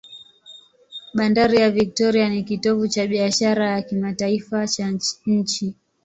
Bandari ya Victoria ni kitovu cha biashara ya kimataifa cha nchi.